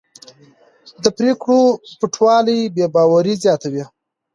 د پرېکړو پټوالی بې باوري زیاتوي